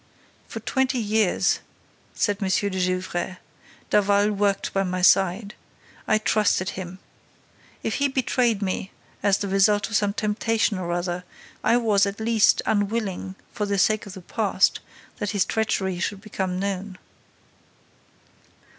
"For twenty years," said M. de Gesvres, "Daval worked by my side. I trusted him. If he betrayed me, as the result of some temptation or other, I was, at least, unwilling, for the sake of the past, that his treachery should become known."